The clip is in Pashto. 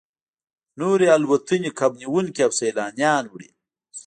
نورې الوتنې کب نیونکي او سیلانیان وړي